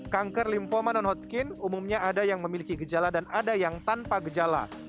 kanker lymphoma non hotskin umumnya ada yang memiliki gejala dan ada yang tanpa gejala